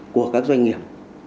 của các doanh nghiệp